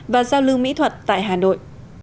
và giao lưu mỹ thuật tại hà nội